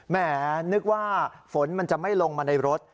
แหมนึกว่าฝนมันจะไม่ลงมาในรถ